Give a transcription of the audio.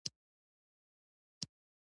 خدای د زړونو خبرې اوري.